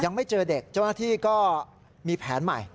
ยังไม่เจอเด็กเจ้าหน้าที่ก็มีแผนใหม่